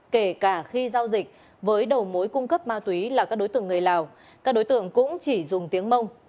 kể cả khi giao dịch với đầu mối cung cấp ma túy là các đối tượng người lào các đối tượng cũng chỉ dùng tiếng mông